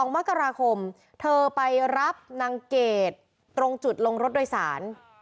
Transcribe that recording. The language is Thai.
๒มกราคมเธอไปรับนางเกดตรงจุดลงรถโดยสาร